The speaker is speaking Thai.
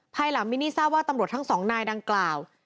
ภายหลังมินนี่ทราบว่าตำรวจทั้งสองนายดังกล่าว